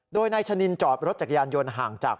โดยนายชะนินจอดรถจักรยานยนต์ห่างจาก